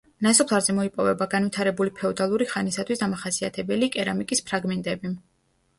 ნასოფლარზე მოიპოვება განვითარებული ფეოდალური ხანისათვის დამახასიათებელი კერამიკის ფრაგმენტები.